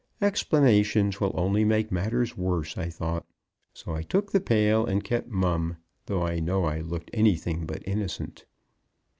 Explanations will only make matters worse, I thought, so I took the pail and kept mum, though I know I looked anything but innocent.